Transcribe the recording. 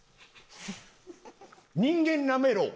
人間なめろう。